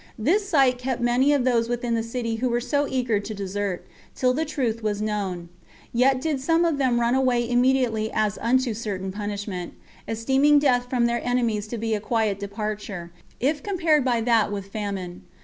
This sight kept many of those within the city who were so eager to desert, till the truth was known; yet did some of them run away immediately as unto certain punishment, esteeming death from their enemies to be a quiet departure, if compared with that by famine.